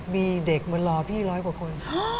มีเด็กมารอพี่ร้อยกว่าคน